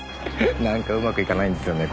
なんかうまくいかないんですよね